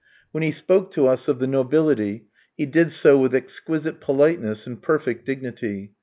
When he spoke to us of the nobility, he did so with exquisite politeness and perfect dignity.